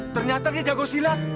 ternyata dia jago silat